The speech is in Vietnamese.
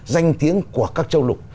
danh tiếng của các châu lục